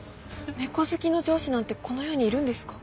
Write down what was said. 猫好きの上司なんてこの世にいるんですか？